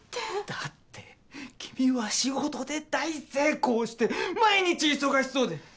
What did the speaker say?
だって君は仕事で大成功して毎日忙しそうで。